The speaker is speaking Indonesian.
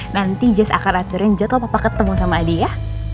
nanti jess akan aturin jatuh papa ketemu sama adi ya